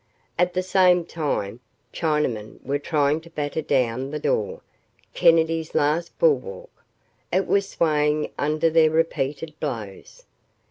At the same time, Chinamen were trying to batter down the door, Kennedy's last bulwark. It was swaying under their repeated blows.